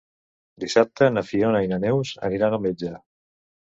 Dissabte na Fiona i na Neus aniran al metge.